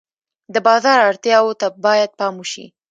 د بازار اړتیاوو ته باید پام وشي.